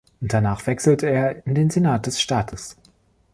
Danach wechselte er in den Senat des Staates.